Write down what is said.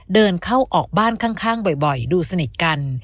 เดินเข้าออกบ้านข้างบ่อยดูสนิทกัน